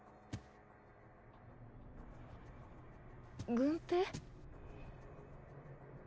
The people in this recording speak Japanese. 郡平？